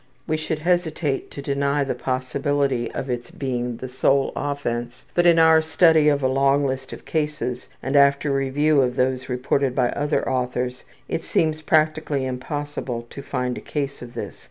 We should hesitate to deny the possibility of its being the sole offense, but in our study of a long list of cases, and after review of those reported by other authors, it seems practically impossible to find a case of this.